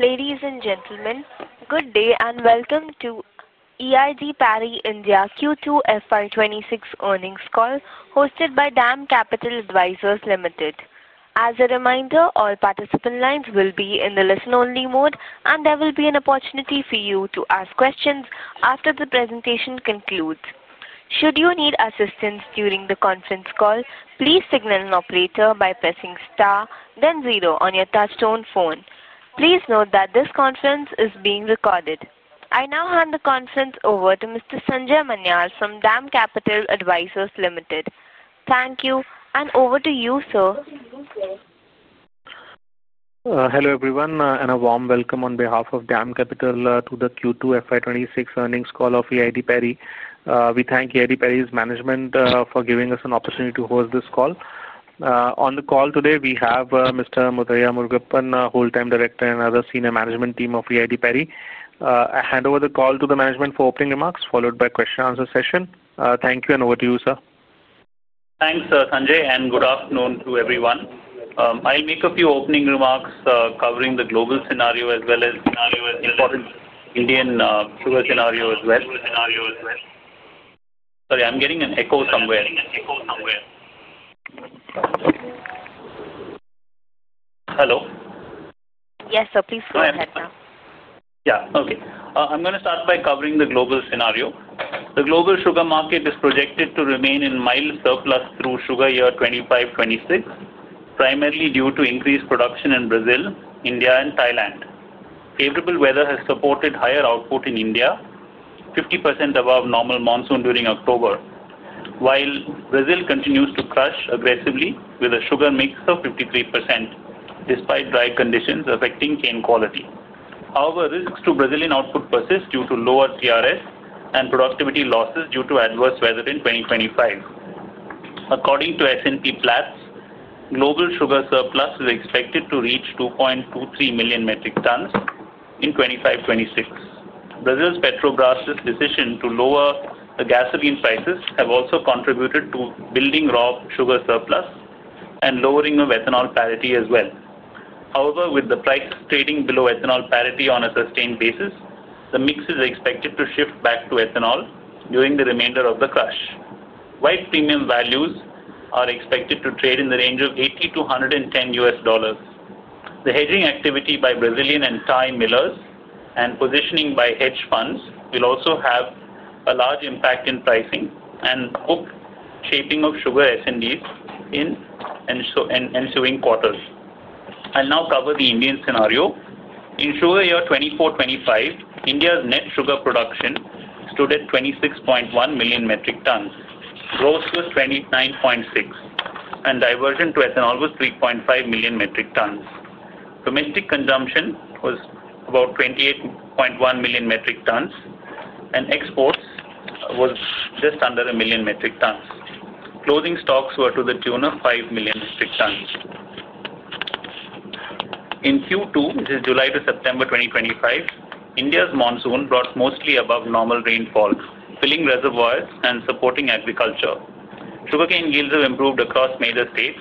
Ladies and gentlemen, good day and welcome to E.I.D. Parry India Q2 FY26 Earnings Call, hosted by DAM Capital Advisors Ltd. As a reminder, all participant lines will be in the listen-only mode, and there will be an opportunity for you to ask questions after the presentation concludes. Should you need assistance during the conference call, please signal an operator by pressing star, then zero on your touch-tone phone. Please note that this conference is being recorded. I now hand the conference over to Mr. Sanjay Manyal from DAM Capital Advisors Ltd. Thank you, and over to you, sir. Hello, everyone, and a warm welcome on behalf of DAM Capital to the Q2 FY26 Earnings Call of E.I.D. Parry. We thank E.I.D. Parry's management for giving us an opportunity to host this call. On the call today, we have Mr. Muthiah Murugappan, Whole-time Director, and other senior management team of EI`D Parry. I hand over the call to the management for opening remarks, followed by a question-and-answer session. Thank you, and over to you, sir. Thanks, Sanjay, and good afternoon to everyone. I'll make a few opening remarks covering the global scenario as well as the Indian sugar scenario as well. Sorry, I'm getting an echo somewhere. Hello? Yes, sir, please go ahead. Yeah, okay. I'm going to start by covering the global scenario. The global sugar market is projected to remain in mild surplus through sugar year 2025-2026, primarily due to increased production in Brazil, India, and Thailand. Favorable weather has supported higher output in India, 50% above normal monsoon during October, while Brazil continues to crush aggressively with a sugar mix of 53% despite dry conditions affecting cane quality. However, risks to Brazilian output persist due to lower Rs and productivity losses due to adverse weather in 2025. According to S&P Platts, global sugar surplus is expected to reach 2.23 million metric tons in 2025-2026. Brazil's Petrobras's decision to lower the gasoline prices has also contributed to building raw sugar surplus and lowering of ethanol parity as well. However, with the price trading below ethanol parity on a sustained basis, the mix is expected to shift back to ethanol during the remainder of the crush. White premium values are expected to trade in the range of $80-$110. The hedging activity by Brazilian and Thai millers and positioning by hedge funds will also have a large impact in pricing and book shaping of sugar [SNDs] in ensuing quarters. I'll now cover the Indian scenario. In sugar year 2024-2025, India's net sugar production stood at 26.1 million metric tons. Gross was 29.6, and diversion to ethanol was 3.5 million metric tons. Domestic consumption was about 28.1 million metric tons, and exports was just under 1 million metric tons. Closing stocks were to the tune of 5 million metric tons. In Q2, which is July 2025 to September 2025, India's monsoon brought mostly above-normal rainfall, filling reservoirs and supporting agriculture. Sugar cane yields have improved across major states,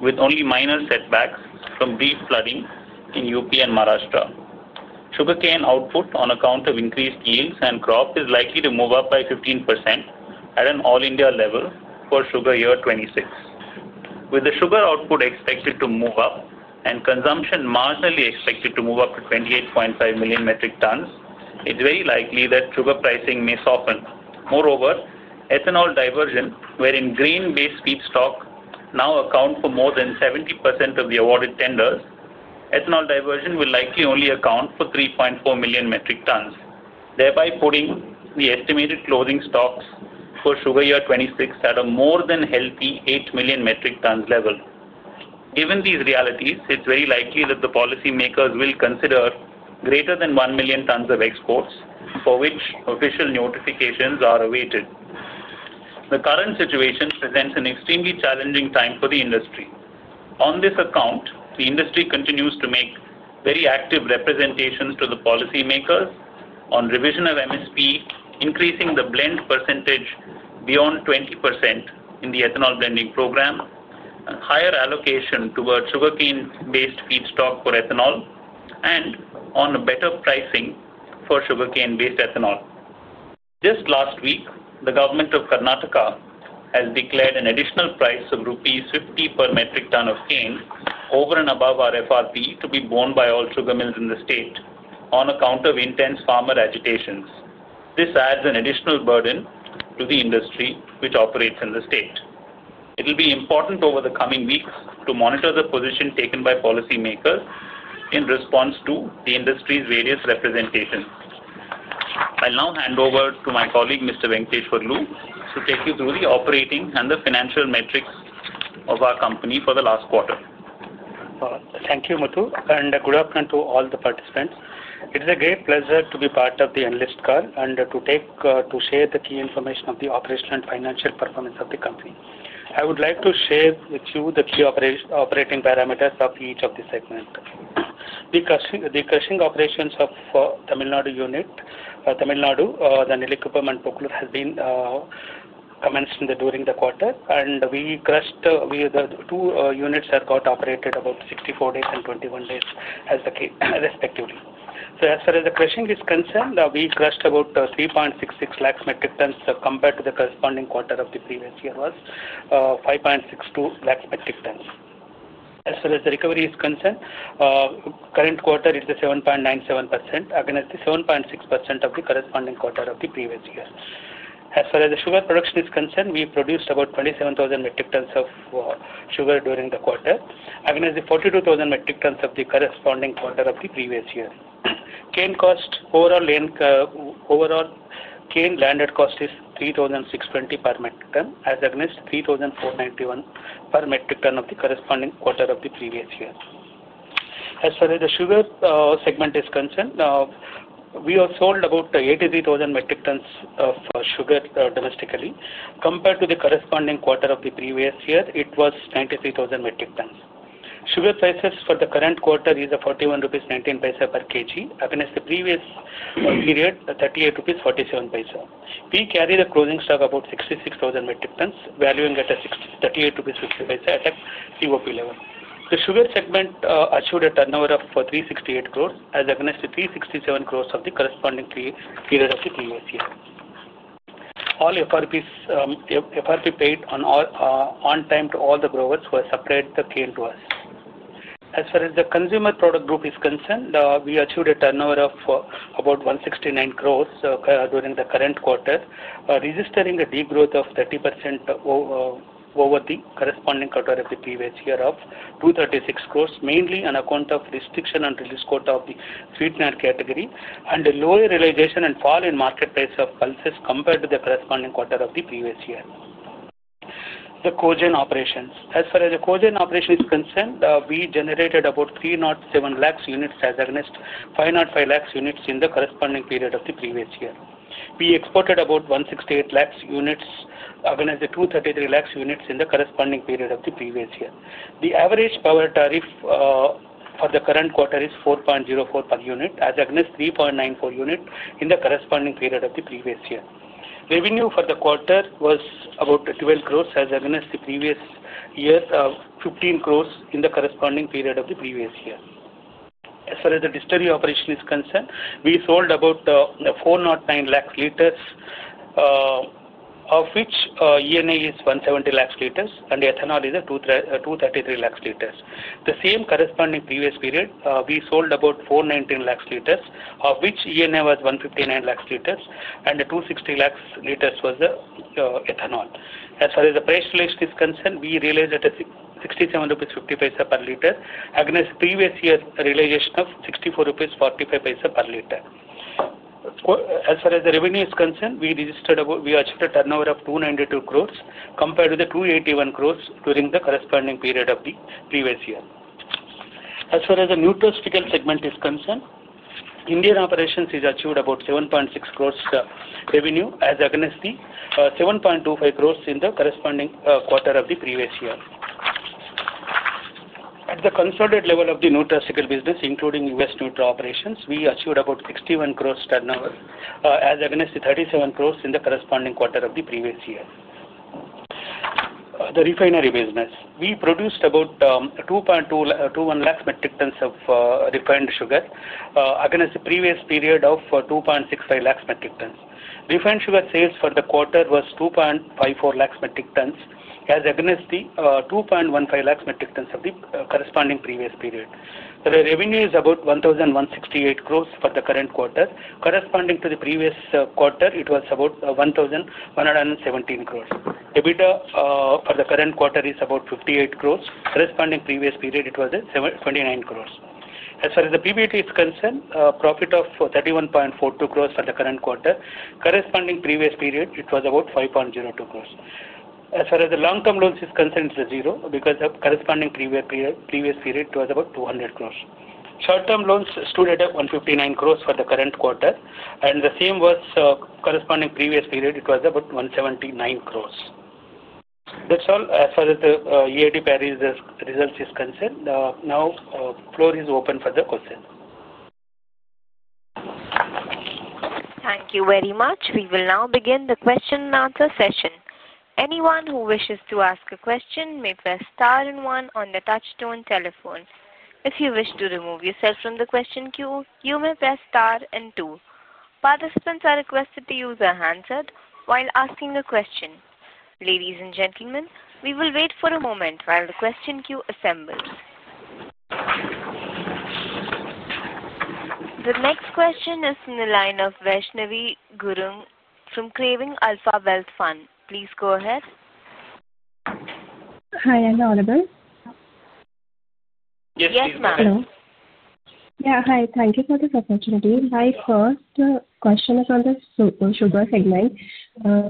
with only minor setbacks from brief flooding in Uttar Pradesh and Maharashtra. Sugar cane output, on account of increased yields and crop, is likely to move up by 15% at an all-India level for sugar year 2026. With the sugar output expected to move up and consumption marginally expected to move up to 28.5 million metric tons, it's very likely that sugar pricing may soften. Moreover, ethanol diversion, wherein grain-based feedstock now accounts for more than 70% of the awarded tenders, ethanol diversion will likely only account for 3.4 million metric tons, thereby putting the estimated closing stocks for sugar year 2026 at a more than healthy 8 million metric tons level. Given these realities, it's very likely that the policymakers will consider greater than 1 million tons of exports, for which official notifications are awaited. The current situation presents an extremely challenging time for the industry. On this account, the industry continues to make very active representations to the policymakers on revision of MSP, increasing the blend percentage beyond 20% in the ethanol blending program, higher allocation towards sugarcane-based feedstock for ethanol, and on better pricing for sugarcane-based ethanol. Just last week, the government of Karnataka has declared an additional price of rupees 50 per metric ton of cane over and above our FRP to be borne by all sugar mills in the state on account of intense farmer agitations. This adds an additional burden to the industry which operates in the state. It will be important over the coming weeks to monitor the position taken by policymakers in response to the industry's various representations. I'll now hand over to my colleague, Mr. Y. Venkateshwarlu, to take you through the operating and the financial metrics of our company for the last quarter. Thank you, Muthu, and good afternoon to all the participants. It is a great pleasure to be part of the analyst call and to share the key information of the operational and financial performance of the company. I would like to share with you the key operating parameters of each of the segments. The crushing operations of Tamil Nadu unit, Tamil Nadu, then Nellikuppam and Pugalur has been commenced during the quarter, and the two units have got operated about 64 days and 21 days respectively. As far as the crushing is concerned, we crushed about 3.66 lakh metric tons compared to the corresponding quarter of the previous year, which was 5.62 lakh metric tons. As far as the recovery is concerned, current quarter is 7.97%, again at 7.6% of the corresponding quarter of the previous year. As far as the sugar production is concerned, we produced about 27,000 metric tons of sugar during the quarter, again at the 42,000 metric tons of the corresponding quarter of the previous year. Cane cost, overall cane landed cost is 3,620 per metric ton, as against 3,491 per metric ton of the corresponding quarter of the previous year. As far as the sugar segment is concerned, we have sold about 83,000 metric tons of sugar domestically. Compared to the corresponding quarter of the previous year, it was 93,000 metric tons. Sugar prices for the current quarter is at 41.19 per kg, against the previous period, 38.47 rupees. We carry the closing stock about 66,000 metric tons, valuing at 38.60 rupees at the COP level. The sugar segment achieved a turnover of 368 crore, as against the 367 crore of the corresponding period of the previous year. All FRP paid on time to all the growers who have supplied the cane to us. As far as the consumer product group is concerned, we achieved a turnover of about 169 crore during the current quarter, registering a degrowth of 30% over the corresponding quarter of the previous year of 236 crore, mainly on account of restriction and release quota of the sweetener category, and lower realization and fall in market price of pulses compared to the corresponding quarter of the previous year. The cogeneration operations. As far as the cogeneration operation is concerned, we generated about 307 lakh units, as against 505 lakh units in the corresponding period of the previous year. We exported about 168 lakh units, again as against 233 lakh units in the corresponding period of the previous year. The average power tariff for the current quarter is 4.04 per unit, as against 3.94 per unit in the corresponding period of the previous year. Revenue for the quarter was about 12 crores, as against the previous year, 15 crores in the corresponding period of the previous year. As far as the distillery operation is concerned, we sold about 409 lakh liters, of which ENA is 170 lakh liters, and ethanol is 233 lakh liters. The same corresponding previous period, we sold about 419 lakh liters, of which ENA was 159 lakh liters, and 260 lakh liters was ethanol. As far as the price relation is concerned, we realized at INR 67.[52] per liter, against previous year realization of 64.45 rupees per liter. As far as the revenue is concerned, we achieved a turnover of 292 crores compared with the 281 crores during the corresponding period of the previous year. As far as the nutraceuticals segment is concerned, Indian operations has achieved about 7.6 crores revenue, as against the 7.25 crores in the corresponding quarter of the previous year. At the consolidated level of the nutraceuticals business, including US operations, we achieved about 61 crores turnover, as against the 37 crores in the corresponding quarter of the previous year. The refinery business. We produced about 2.21 lakh metric tons of refined sugar, against the previous period of 2.60 lakh metric tons. Refined sugar sales for the quarter was 2.54 lakh metric tons, as against the 2.15 lakh metric tons of the corresponding previous period. The revenue is about 1,168 crores for the current quarter. Corresponding to the previous quarter, it was about 1,117 crores. EBITDA for the current quarter is about 58 crores. Corresponding previous period, it was 29 crores. As far as the PBT is concerned, profit of 31.42 crores for the current quarter. Corresponding previous period, it was about 5.02 crores. As far as the long-term loans is concerned, it's zero because of corresponding previous period, it was about 200 crores. Short-term loans stood at 159 crores for the current quarter, and the same was corresponding previous period, it was about 179 crores. That's all as far as the E.I.D. Parry's results is concerned. Now, floor is open for the questions. Thank you very much. We will now begin the question and answer session. Anyone who wishes to ask a question may press star and one on the touchstone telephone. If you wish to remove yourself from the question queue, you may press star and two. Participants are requested to use their hands while asking a question. Ladies and gentlemen, we will wait for a moment while the question queue assembles. The next question is from the line of Vaishnavi Gurung from Craving Alpha Wealth Fund. Please go ahead. Hi, am I audible? Yes, ma'am. Yeah, hi. Thank you for this opportunity. My first question is on the sugar segment.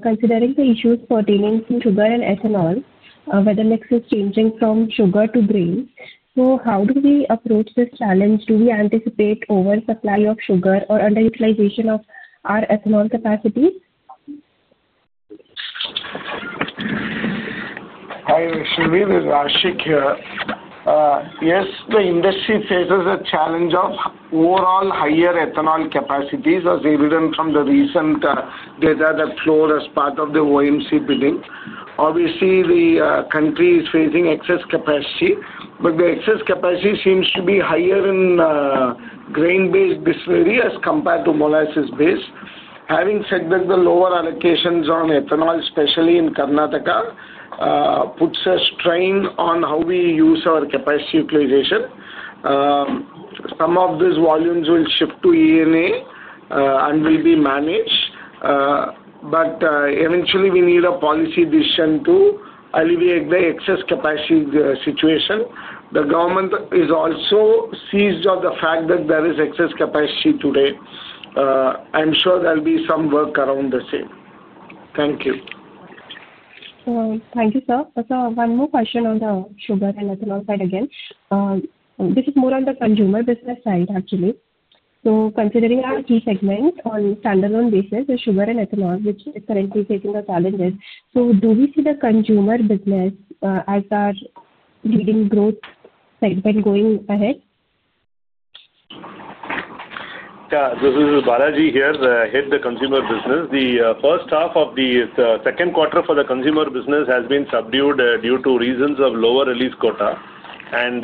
Considering the issues pertaining to sugar and ethanol, where the mix is changing from sugar to grain, how do we approach this challenge? Do we anticipate oversupply of sugar or underutilization of our ethanol capacity? Hi, Vaishnavi. This is Ashiq here. Yes, the industry faces a challenge of overall higher ethanol capacity as evident from the recent data that flowed as part of the OMC bidding. Obviously, the country is facing excess capacity, but the excess capacity seems to be higher in grain-based distillery as compared to molasses-based. Having said that, the lower allocations on ethanol, especially in Karnataka, puts a strain on how we use our capacity utilization. Some of these volumes will shift to ENA and will be managed, but eventually, we need a policy decision to alleviate the excess capacity situation. The government is also seized on the fact that there is excess capacity today. I'm sure there'll be some work around the same. Thank you. Thank you, sir. One more question on the sugar and ethanol side again. This is more on the consumer business side, actually. Considering our key segment on standalone basis is sugar and ethanol, which is currently facing the challenges? Do we see the consumer business as our leading growth segment going ahead? Yeah, this is Balaji here, the head of the consumer business. The first half of the second quarter for the consumer business has been subdued due to reasons of lower release quota and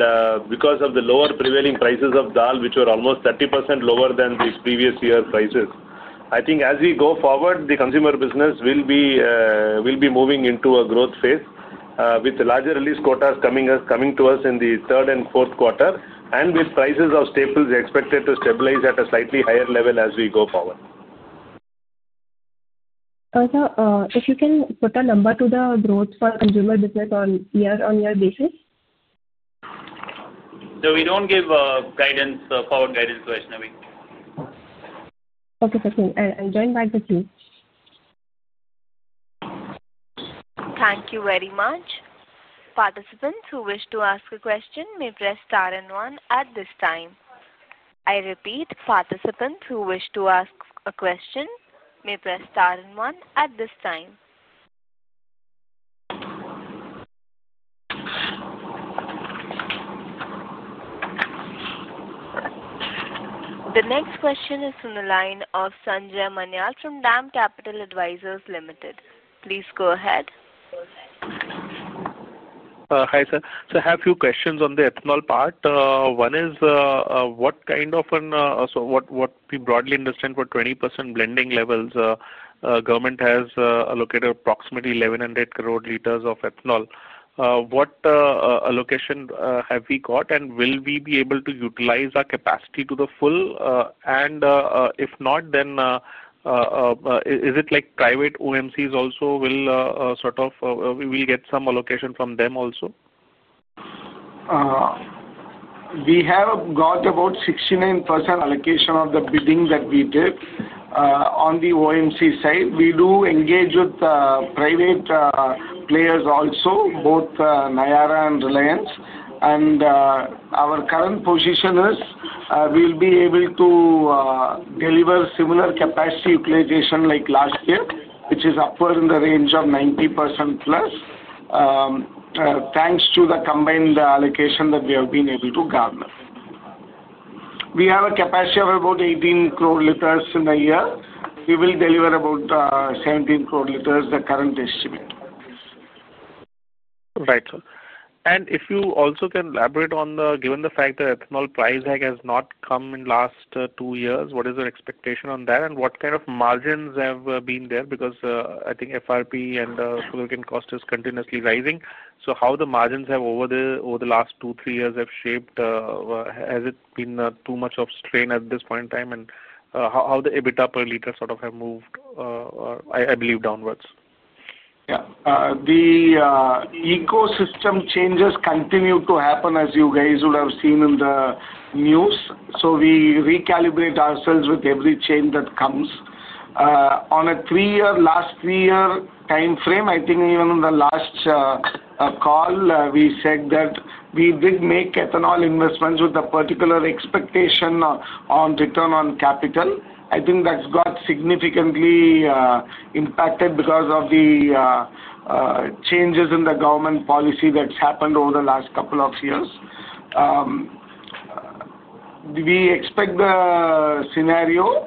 because of the lower prevailing prices of dal, which were almost 30% lower than the previous year's prices. I think as we go forward, the consumer business will be moving into a growth phase with larger release quotas coming to us in the third and fourth quarter, and with prices of staples expected to stabilize at a slightly higher level as we go forward. If you can put a number to the growth for consumer business on a year-on-year basis? We don't give forward guidance, Vaishnavi. Okay, [interesting], I'll join back with you. Thank you very much. Participants who wish to ask a question may press star and one at this time. I repeat, participants who wish to ask a question may press star and one at this time. The next question is from the line of Sanjay Manyal from DAM Capital Advisors Ltd. Please go ahead. Hi, sir. I have a few questions on the ethanol part. One is what kind of an, so what we broadly understand for 20% blending levels, government has allocated approximately 1,100 crore liters of ethanol. What allocation have we got and will we be able to utilize our capacity to the full? If not, then is it like private OMCs also will sort of, we will get some allocation from them also? We have got about 69% allocation of the bidding that we did on the OMC side. We do engage with private players also, both Nayara and Reliance. Our current position is we will be able to deliver similar capacity utilization like last year, which is upward in the range of 90%+, thanks to the combined allocation that we have been able to garner. We have a capacity of about 18 crore liters in a year. We will deliver about 17 crore liters, the current estimate. Right. If you also can elaborate on the given the fact that ethanol price has not come in the last two years, what is your expectation on that? What kind of margins have been there? I think FRP and sugarcane cost is continuously rising. How the margins have over the last two, three years have shaped, has it been too much of strain at this point in time? How the EBITDA per liter sort of have moved, I believe, downwards? Yeah. The ecosystem changes continue to happen as you guys would have seen in the news. We recalibrate ourselves with every change that comes. On a three-year, last three-year time frame, I think even in the last call, we said that we did make ethanol investments with a particular expectation on return on capital. I think that's got significantly impacted because of the changes in the government policy that's happened over the last couple of years. We expect the scenario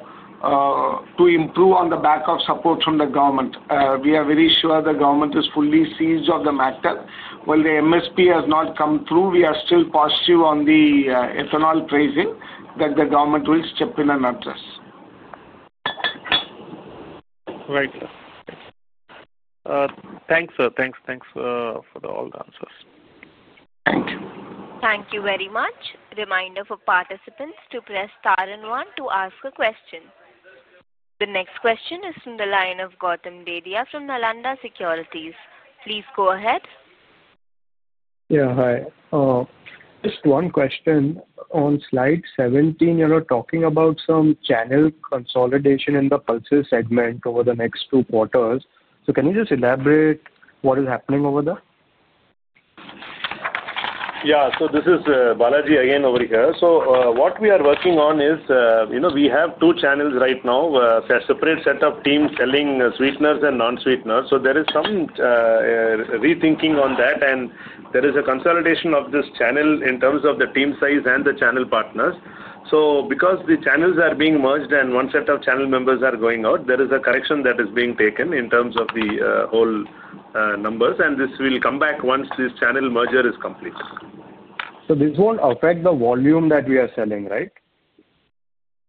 to improve on the back of support from the government. We are very sure the government is fully seized of the matter. While the MSP has not come through, we are still positive on the ethanol pricing that the government will step in and address. Right. Thanks, sir. Thanks, thanks for all the answers. Thank you very much. Reminder for participants to press star and one to ask a question. The next question is from the line of Gautam Dedhia from Nalanda Securities. Please go ahead. Yeah, hi. Just one question. On slide 17, you're talking about some channel consolidation in the pulses segment over the next two quarters. Can you just elaborate what is happening over there? Yeah. This is Balaji again over here. What we are working on is we have two channels right now, a separate set of teams selling sweeteners and non-sweeteners. There is some rethinking on that, and there is a consolidation of this channel in terms of the team size and the channel partners. Because the channels are being merged and one set of channel members are going out, there is a correction that is being taken in terms of the whole numbers, and this will come back once this channel merger is complete. This won't affect the volume that we are selling, right?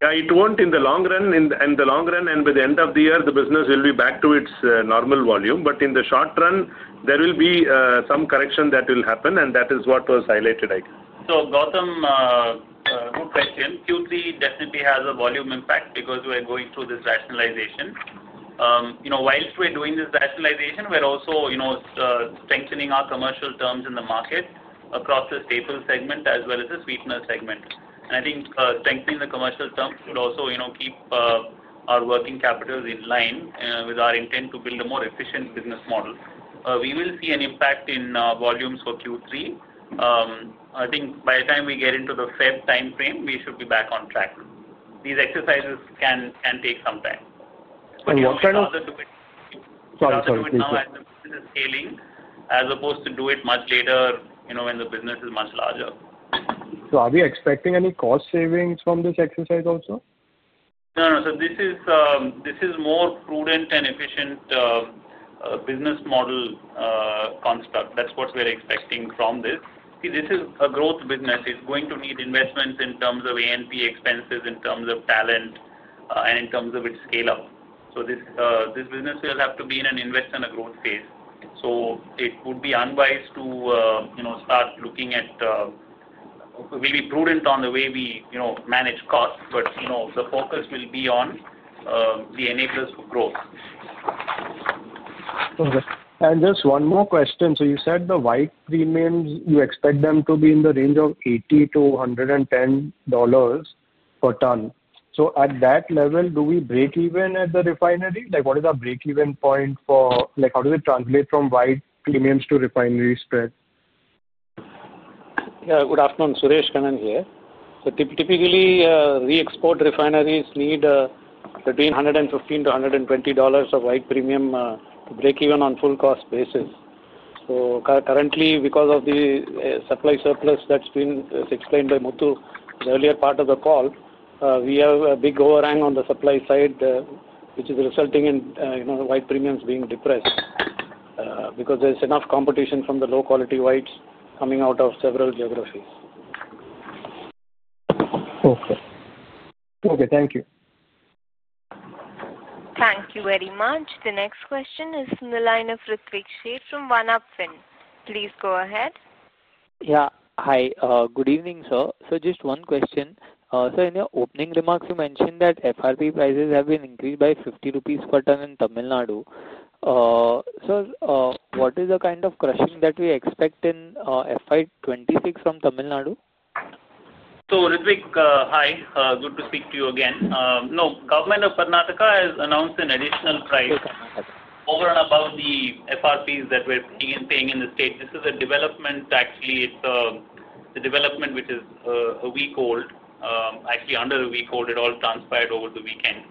Yeah, it won't in the long run. In the long run and by the end of the year, the business will be back to its normal volume. In the short run, there will be some correction that will happen, and that is what was highlighted, I guess. Gautam, good question. Q3 definitely has a volume impact because we're going through this rationalization. Whilst we're doing this rationalization, we're also strengthening our commercial terms in the market across the staple segment as well as the sweeteners segment. I think strengthening the commercial terms will also keep our working capitals in line with our intent to build a more efficient business model. We will see an impact in volumes for Q3. I think by the time we get into the February time frame, we should be back on track. These exercises can take some time. What kind of? Sorry, sorry. Do it now as the business is scaling as opposed to do it much later when the business is much larger. Are we expecting any cost savings from this exercise also? No, no. This is more prudent and efficient business model construct. That is what we are expecting from this. See, this is a growth business. It is going to need investments in terms of A&P expenses, in terms of talent, and in terms of its scale-up. This business will have to be in an invest and a growth phase. It would be unwise to start looking at—we will be prudent on the way we manage costs, but the focus will be on the enablers for growth. Okay. And just one more question. You said the white premiums, you expect them to be in the range of $80-$110 per ton. At that level, do we break even at the refinery? What is the break-even point for how does it translate from white premiums to refinery spread? Good afternoon. Suresh Kannan here. Typically, re-export refineries need between $115-$120 of white premium to break even on a full-cost basis. Currently, because of the supply surplus that has been explained by Muthu earlier part of the call, we have a big overhang on the supply side, which is resulting in white premiums being depressed because there is enough competition from the low-quality whites coming out of several geographies. Okay. Okay, thank you. Thank you very much. The next question is from the line of Ritwik Sheth from One-Up. Please go ahead. Yeah, hi. Good evening, sir. Just one question. In your opening remarks, you mentioned that FRP prices have been increased by 50 rupees per ton in Tamil Nadu. Sir, what is the kind of crushing that we expect in FY 2026 from Tamil Nadu? Ritwik, hi. Good to speak to you again. No, government of Karnataka has announced an additional price over and above the FRPs that we're paying in the state. This is a development, actually. It's a development which is a week old, actually under a week old. It all transpired over the weekend.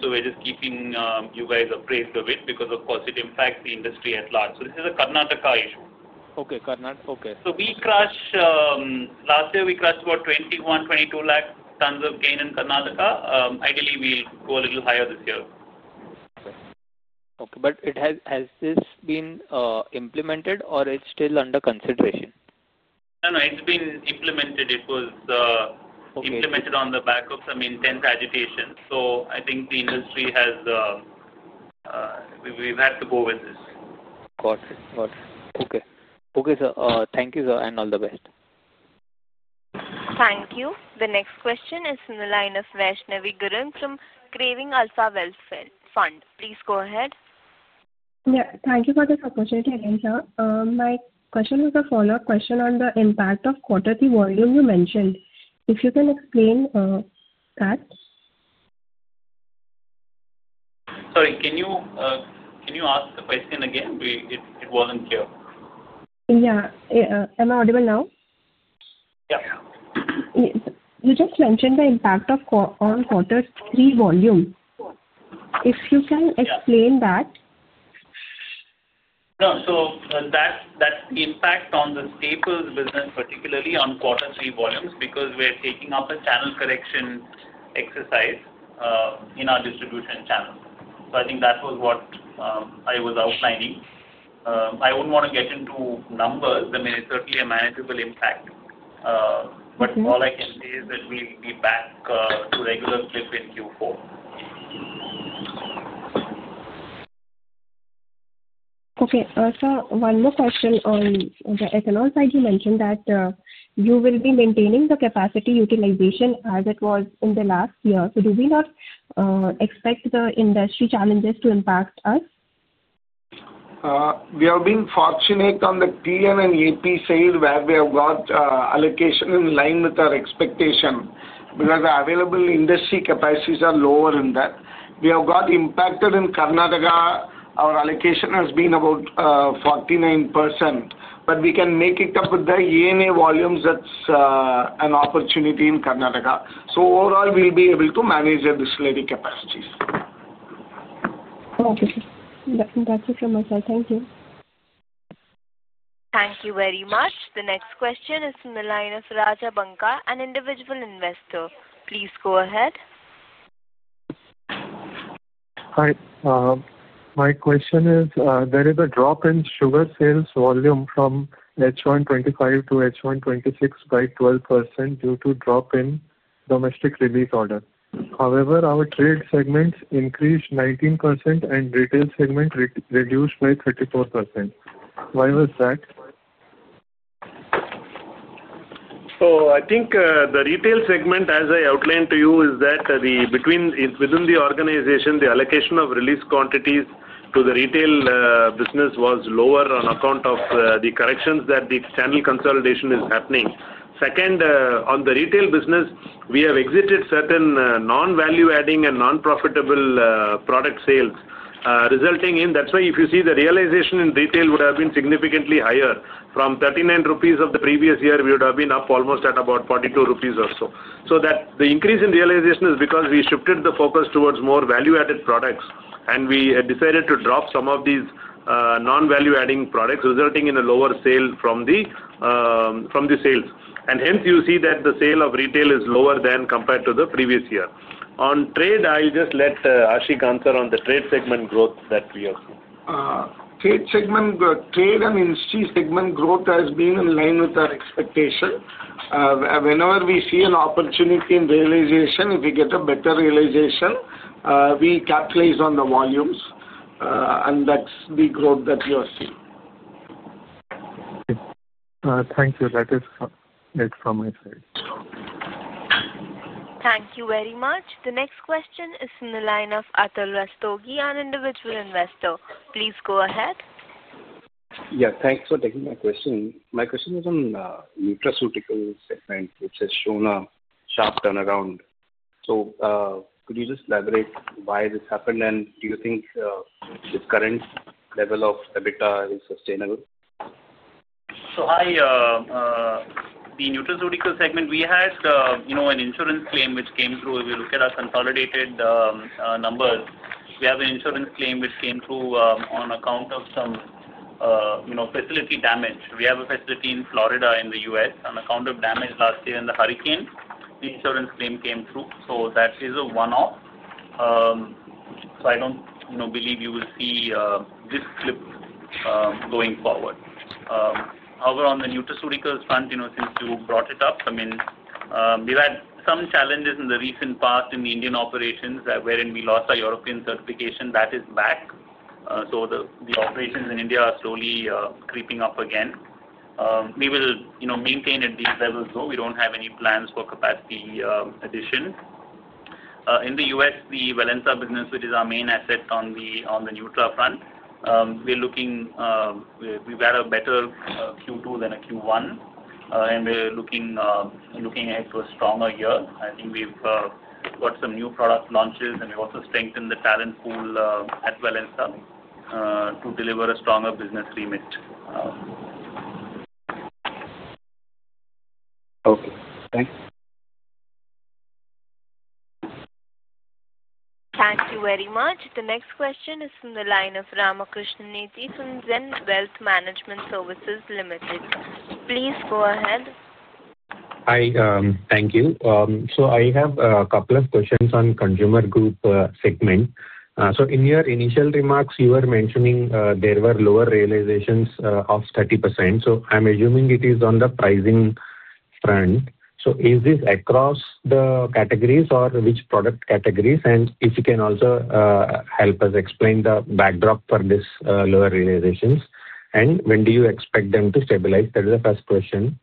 We're just keeping you guys appraised of it because of course it impacts the industry at large. This is a Karnataka issue. Okay, Karnataka. We crushed last year, we crushed about 21, 22 lakh tons of grain in Karnataka. Ideally, we'll go a little higher this year. Okay. Has this been implemented or it's still under consideration? No, no. It's been implemented. It was implemented on the back of some intense agitation. I think the industry has, we've had to go with this. Got it. Okay, sir. Thank you, sir, and all the best. Thank you. The next question is from the line of Vaishnavi Gurung from Craving Alpha Wealth Fund. Please go ahead. Yeah. Thank you for this opportunity, sir. My question was a follow-up question on the impact of quarterly volume you mentioned. If you can explain that? Sorry, can you ask the question again? It was not clear. Yeah. Am I audible now? Yeah. You just mentioned the impact on quarter three volume. If you can explain that? No. That's the impact on the staples business, particularly on quarter three volumes because we're taking up a channel correction exercise in our distribution channel. I think that was what I was outlining. I wouldn't want to get into numbers. I mean, it's certainly a manageable impact. All I can say is that we'll be back to regular clip in Q4. Okay. Sir, one more question on the ethanol side. You mentioned that you will be maintaining the capacity utilization as it was in the last year. Do we not expect the industry challenges to impact us? We have been fortunate on the TN and AP sale where we have got allocation in line with our expectation because our available industry capacities are lower in that. We have got impacted in Karnataka. Our allocation has been about 49%. We can make it up with the E&A volumes. That is an opportunity in Karnataka. Overall, we will be able to manage the distillate capacities. Okay. That's it from my side. Thank you. Thank you very much. The next question is from the line of Rajabankar, an individual investor. Please go ahead. Hi. My question is there is a drop in sugar sales volume from H125 to H126 by 12% due to drop in domestic release order. However, our trade segments increased 19% and retail segment reduced by 34%. Why was that? I think the retail segment, as I outlined to you, is that within the organization, the allocation of release quantities to the retail business was lower on account of the corrections that the channel consolidation is happening. Second, on the retail business, we have exited certain non-value-adding and non-profitable product sales, resulting in that's why if you see the realization in retail would have been significantly higher. From 39 rupees of the previous year, we would have been up almost at about 42 rupees or so. The increase in realization is because we shifted the focus towards more value-added products, and we decided to drop some of these non-value-adding products, resulting in a lower sale from the sales. Hence, you see that the sale of retail is lower than compared to the previous year. On trade, I'll just let Ashiq answer on the trade segment growth that we have seen. Trade and industry segment growth has been in line with our expectation. Whenever we see an opportunity in realization, if we get a better realization, we capitalize on the volumes, and that's the growth that we are seeing. Thank you. That is it from my side. Thank you very much. The next question is from the line of [Atharva Stogi], an individual investor. Please go ahead. Yeah. Thanks for taking my question. My question is on the nutraceutical segment, which has shown a sharp turnaround? Could you just elaborate why this happened, and do you think the current level of EBITDA is sustainable? Hi. The nutraceutical segment, we had an insurance claim which came through. If you look at our consolidated numbers, we have an insurance claim which came through on account of some facility Damage. We have a facility in Florida in the US on account of Damage last year in the hurricane. The insurance claim came through. That is a one-off. I don't believe you will see this clip going forward. However, on the nutraceuticals front, since you brought it up, I mean, we've had some challenges in the recent past in the Indian operations wherein we lost our European certification. That is back. The operations in India are slowly creeping up again. We will maintain at these levels, though. We don't have any plans for capacity addition. In the US, the Valensa business, which is our main asset on the nutra front, we're looking we've had a better Q2 than a Q1, and we're looking ahead to a stronger year. I think we've got some new product launches, and we've also strengthened the talent pool at Valensa to deliver a stronger business remit. Okay. Thanks. Thank you very much. The next question is from the line of Rama Krishna Neti from ZEN Wealth Management Services Ltd. Please go ahead. Hi. Thank you. I have a couple of questions on the consumer group segment. In your initial remarks, you were mentioning there were lower realizations of 30%. I'm assuming it is on the pricing front. Is this across the categories or which product categories? If you can also help us explain the backdrop for these lower realizations, and when do you expect them to stabilize? That is the first question.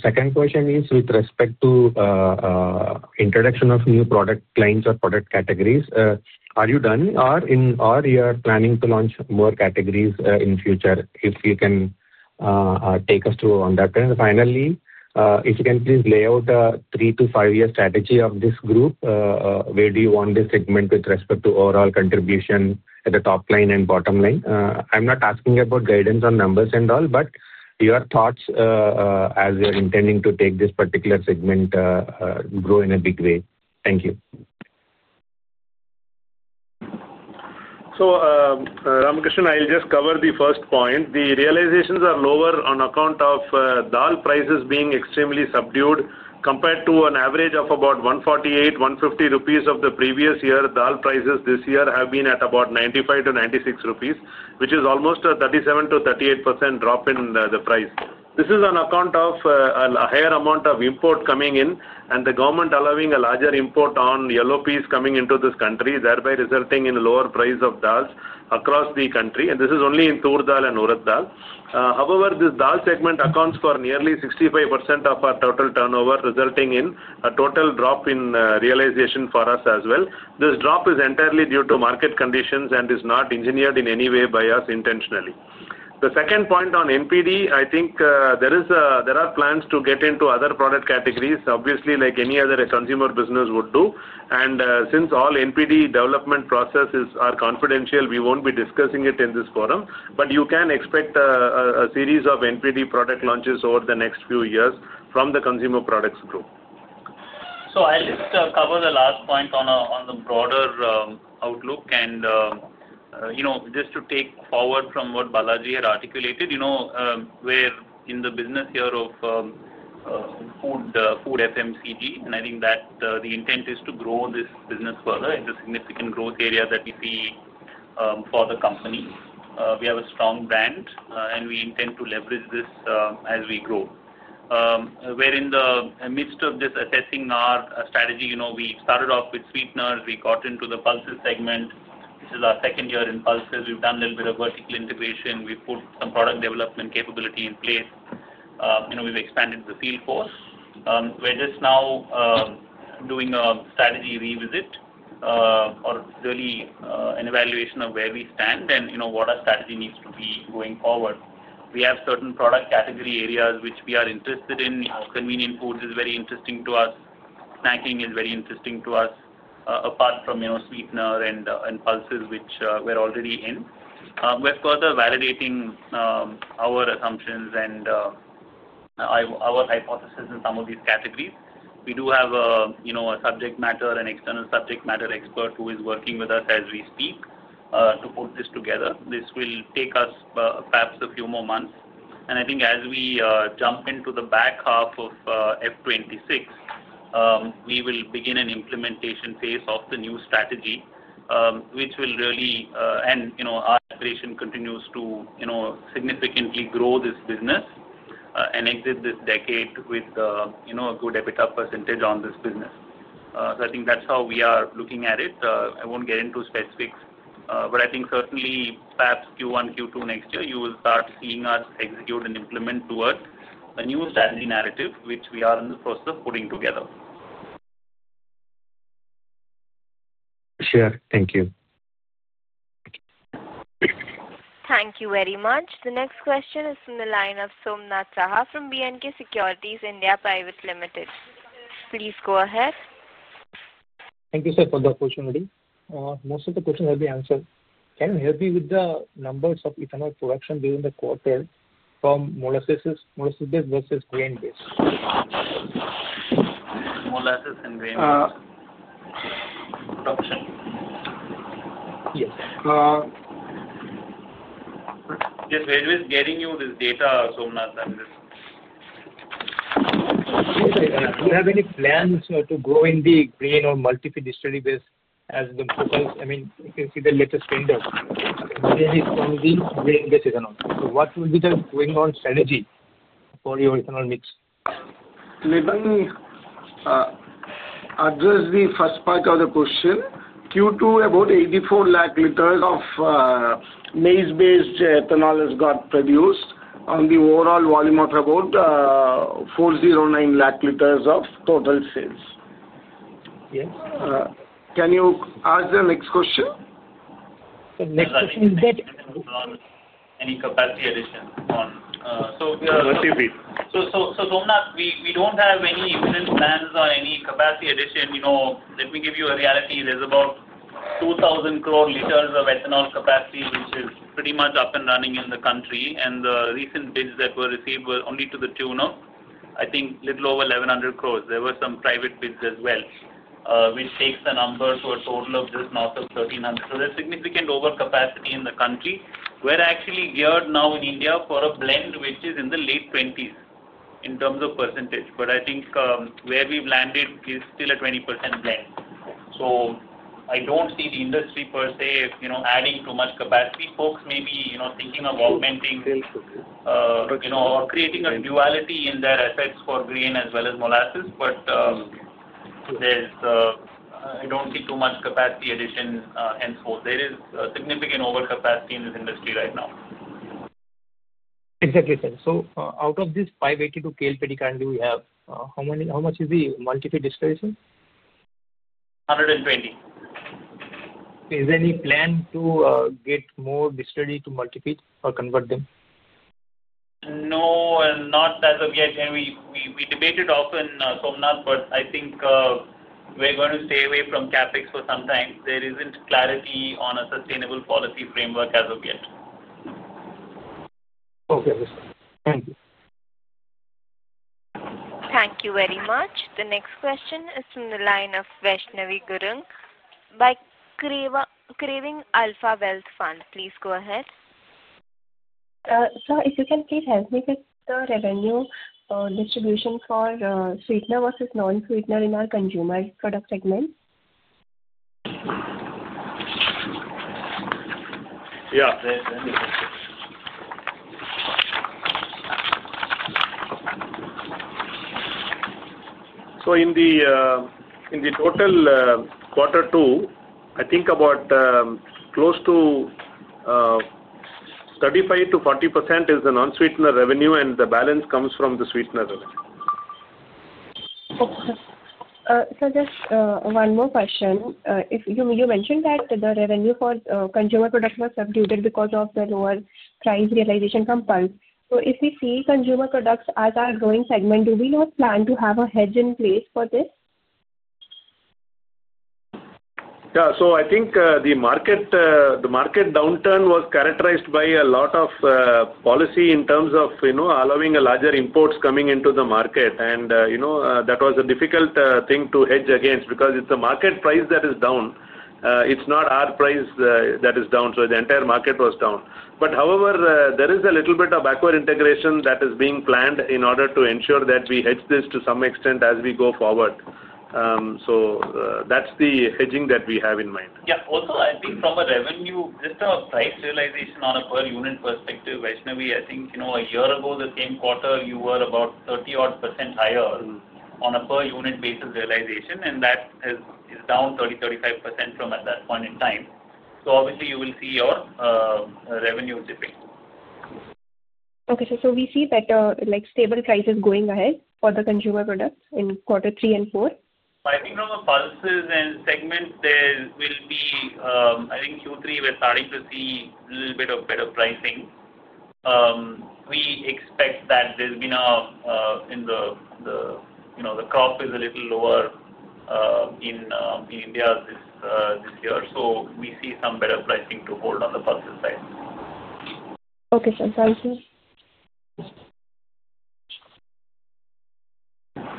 Second question is with respect to the introduction of new product lines or product categories. Are you done, or are you planning to launch more categories in the future? If you can take us through on that. Finally, if you can please lay out a three to five-year strategy of this group, where do you want this segment with respect to overall contribution at the top line and bottom line? I'm not asking about guidance on numbers and all, but your thoughts as you are intending to take this particular segment grow in a big way. Thank you. Rama Krishna, I'll just cover the first point. The realizations are lower on account of dal prices being extremely subdued compared to an average of about 148-150 rupees of the previous year. Dal prices this year have been at about 95-96 rupees, which is almost a 37%-38% drop in the price. This is on account of a higher amount of import coming in and the government allowing a larger import on yellow peas coming into this country, thereby resulting in a lower price of dals across the country. This is only in Tur Dal and Urad Dal. However, this dal segment accounts for nearly 65% of our total turnover, resulting in a total drop in realization for us as well. This drop is entirely due to market conditions and is not engineered in any way by us intentionally. The second point on NPD, I think there are plans to get into other product categories, obviously, like any other consumer business would do. And since all NPD development processes are confidential, we won't be discussing it in this forum. You can expect a series of NPD product launches over the next few years from the consumer products group. I'll just cover the last point on the broader outlook. Just to take forward from what Balaji had articulated, we're in the business year of Food FMCG, and I think that the intent is to grow this business further. It's a significant growth area that we see for the company. We have a strong brand, and we intend to leverage this as we grow. We're in the midst of just assessing our strategy. We started off with sweeteners. We got into the pulses segment. This is our second year in pulses. We've done a little bit of vertical integration. We've put some product development capability in place. We've expanded the field force. We're just now doing a strategy revisit or really an evaluation of where we stand and what our strategy needs to be going forward. We have certain product category areas which we are interested in. Convenient foods is very interesting to us. Snacking is very interesting to us, apart from sweetener and pulses, which we're already in. We're further validating our assumptions and our hypothesis in some of these categories. We do have a subject matter, an external subject matter expert who is working with us as we speak to put this together. This will take us perhaps a few more months. I think as we jump into the back half of FY26, we will begin an implementation phase of the new strategy, which will really, and our operation continues to significantly grow this business and exit this decade with a good EBITDA percentage on this business. I think that's how we are looking at it. I won't get into specifics, but I think certainly perhaps Q1, Q2 next year, you will start seeing us execute and implement towards a new strategy narrative, which we are in the process of putting together. Sure. Thank you. Thank you very much. The next question is from the line of Somnath Saha from B&K Securities India Private Ltd. Please go ahead. Thank you, sir, for the opportunity. Most of the questions have been answered. Can you help me with the numbers of ethanol production during the quarter from molasses versus grain-based? [inaudible] Yes. Just while we're getting you this data, Somnath, and this. Yes, sir. Do you have any plans to grow in the grain or multi-food distillery base as the focus? I mean, you can see the latest trend of grain-based ethanol. What will be the going-on strategy for your ethanol mix? Let me address the first part of the question. Q2, about 84 lakh liters of maize-based ethanol has got produced on the overall volume of about 409 lakh liters of total sales. Yes. Can you ask the next question? The next question is that. Any capacity addition on? Somnath, we don't have any imminent plans on any capacity addition. Let me give you a reality. There's about 2,000 crore liters of ethanol capacity, which is pretty much up and running in the country. The recent bids that were received were only to the tune of, I think, a little over 1,100 crore. There were some private bids as well, which takes the number to a total of just north of 1,300 crore. There's significant overcapacity in the country. We're actually geared now in India for a blend, which is in the late 20s in terms of. I think where we've landed is still a 20% blend. I don't see the industry per se adding too much capacity. Folks may be thinking of augmenting or creating a duality in their assets for grain as well as molasses, but I don't see too much capacity addition henceforth. There is significant overcapacity in this industry right now. Exactly, sir. Out of this 582 KLPD currently we have, how much is the multi-feed distillation? 120. Is there any plan to get more distillery to multi-feed or convert them? No, not as of yet. We debated often, Somnath, but I think we're going to stay away from CapEx for some time. There isn't clarity on a sustainable policy framework as of yet. Okay. Thank you. Thank you very much. The next question is from the line of Vaishnavi Gurung, by Craving Alpha Wealth Fund. Please go ahead. Sir, if you can please help me with the revenue distribution for sweetener versus non-sweetener in our consumer product segment. Yeah. In the total quarter two, I think about close to 35%-40% is the non-sweetener revenue, and the balance comes from the sweetener. Sir, just one more question. You mentioned that the revenue for consumer products was subdued because of the lower price realization on pulses. If we see consumer products as our growing segment, do we not plan to have a hedge in place for this? Yeah. I think the market downturn was characterized by a lot of policy in terms of allowing larger imports coming into the market. That was a difficult thing to hedge against because it is the market price that is down. It is not our price that is down. The entire market was down. However, there is a little bit of backward integration that is being planned in order to ensure that we hedge this to some extent as we go forward. That is the hedging that we have in mind. Yeah. Also, I think from a revenue, just a price realization on a per unit perspective, Vaishnavi, I think a year ago, the same quarter, you were about 30-odd % higher on a per unit basis realization, and that is down 30-35% from at that point in time. Obviously, you will see your revenue dipping. Okay. So we see better stable prices going ahead for the consumer products in quarter three and four? I think from the pulses and segment, there will be, I think Q3, we're starting to see a little bit of better pricing. We expect that there's been a in the crop is a little lower in India this year. So we see some better pricing to hold on the pulses side. Okay. Thank you.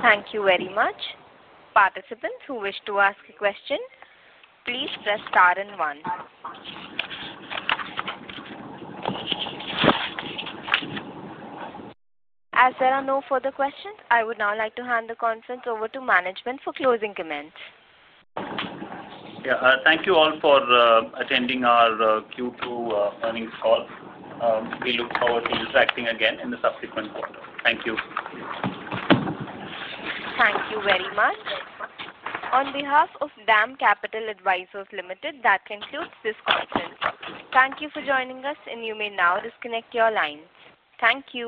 Thank you very much. Participants who wish to ask a question, please press star and one. As there are no further questions, I would now like to hand the conference over to management for closing comments. Yeah. Thank you all for attending our Q2 earnings call. We look forward to interacting again in the subsequent quarter. Thank you. Thank you very much. On behalf of DAM Capital Advisors Ltd, that concludes this conference. Thank you for joining us, and you may now disconnect your line. Thank you.